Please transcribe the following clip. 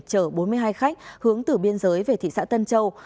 chở bốn mươi hai khách hướng từ biên giới về thị xã tân châu